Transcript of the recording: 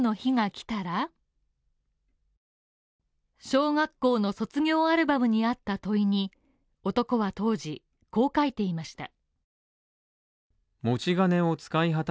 小学校の卒業アルバムにあった問いに、男は当時、こう書いていました。